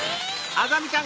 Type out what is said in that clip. あざみちゃん！